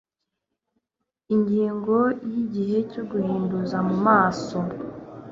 ingingo ya igihe cyo guhinduza mu maso